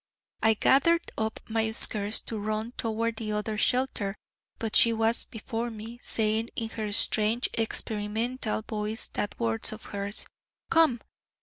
I gathered up my skirts to run toward other shelter, but she was before me, saying in her strange experimental voice that word of hers: "Come."